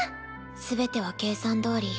全ては計算どおり。